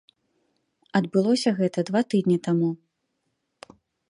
Адбылося гэта два тыдні таму.